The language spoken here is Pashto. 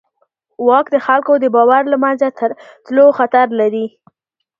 واک د خلکو د باور له منځه تلو خطر لري.